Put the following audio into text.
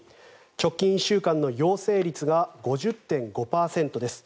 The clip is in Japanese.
直近１週間の陽性率が５０．５％です。